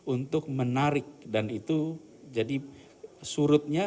untuk menarik dan itu jadi surutnya